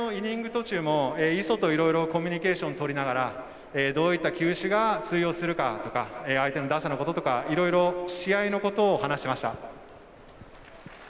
途中もイソと、いろいろコミュニケーションをとりながらどういった球種が通用するかとか相手の打者のこととかいろいろ試合のことを話しました。